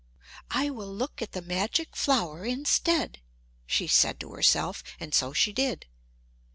"I will look at the magic flower instead," she said to herself, and so she did.